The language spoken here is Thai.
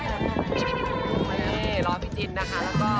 นี่รอพี่จินนะคะแล้วก็